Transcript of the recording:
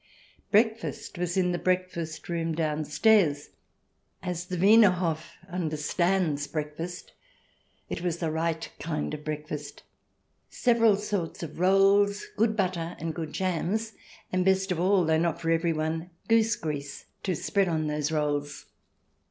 Breakfast was in the breakfast room downstairs, as the Wiener Hof understands breakfast. It was the right kind of breakfast — several sorts of rolls, good butter, and good jams, and best of all, though not for everyone, goose grease to spread on those rolls.